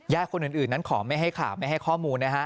คนอื่นนั้นขอไม่ให้ข่าวไม่ให้ข้อมูลนะฮะ